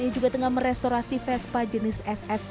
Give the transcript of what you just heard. dia juga mengecat aksesoris hingga merombak total si tawon besi